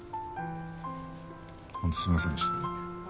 本当すいませんでした。